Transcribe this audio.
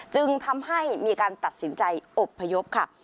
จึงทำให้มีการตัดสินใจอบพยพค่ะ